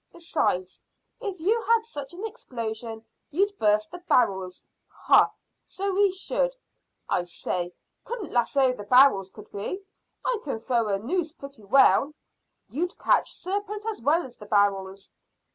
"Besides, if you had such an explosion you'd burst the barrels." "Hah! So we should. I say, couldn't lasso the barrels, could we? I can throw a noose pretty well." "You'd catch serpent as well as the barrels."